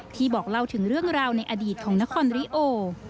บอกเล่าถึงเรื่องราวในอดีตของนครริโอ